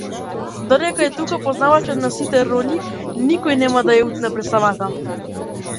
Додека е тука познавачот на сите ролји, никој нема да ја утне претставата!